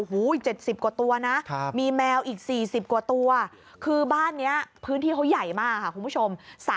หัว๗๐กว่าตัวน่ะถาม